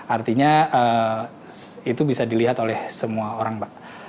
artinya itu bisa dilihat oleh semua orang pak